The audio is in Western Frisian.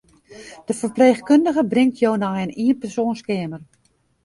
De ferpleechkundige bringt jo nei in ienpersoanskeamer.